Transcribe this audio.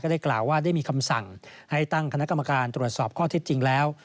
ได้กล่าวว่าได้มีคำสั่งให้ตั้งคณะกรรมการตรวจสอบข้อเท็จจริงแล้ว